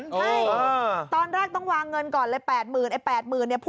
ใช่ตอนแรกต้องวางเงินก่อนเลย๘๐๐๐๐บาท